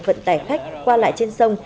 vận tải khách qua lại trên sông